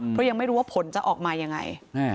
เพราะยังไม่รู้ว่าผลจะออกมายังไง